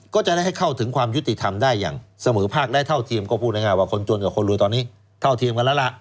ก็จะได้ให้เข้าถึงความยุติธรรมได้อย่างเสมอภาคได้เท่าเทียมก็พูดง่ายว่าคนจนกับคนรวยตอนนี้เท่าเทียมกันแล้วล่ะ